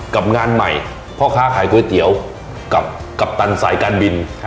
กับงานใหม่พ่อค้าขายก๋วยเตี๋ยวกับกัปตันสายการบิน